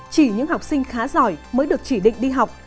chỉ những học sinh khá giỏi mới được chỉ định đi học